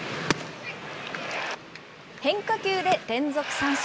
変化球で連続三振。